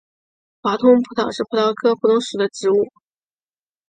华东葡萄是葡萄科葡萄属的植物。